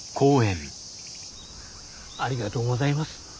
ありがとうございます。